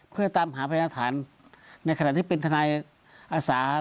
เพื่อตามหาพยาฐานในขณะที่เป็นทนายอาสา